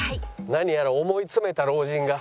何やら思い詰めた老人が。